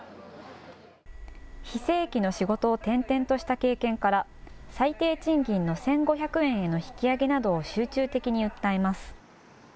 非正規の仕事を点々とした経験から、最低賃金の１５００円への引き上げなどを集中的に訴えます。